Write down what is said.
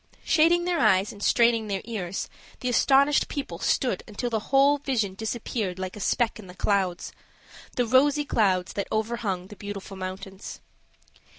Shading their eyes, and straining their ears, the astonished people stood until the whole vision disappeared like a speck in the clouds the rosy clouds that overhung the Beautiful Mountains.